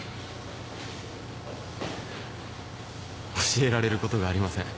教えられることがありません。